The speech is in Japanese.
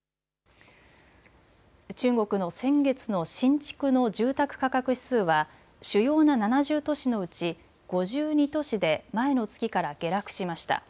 中国の先月の新築の住宅価格指数は主要な７０都市のうち５２都市で前の月から下落しました。